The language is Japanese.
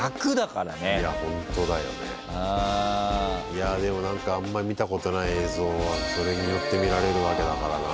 いやでも何かあんまり見たことない映像がそれによって見られるわけだからな。